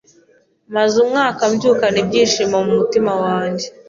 Maze umwaka mbyukana ibyishimo mu mutima wanjye.